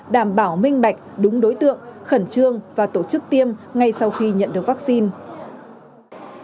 đảm bảo minh bạch đúng đối tượng khẩn trương và tổ chức tiêm ngay sau khi nhận được vaccine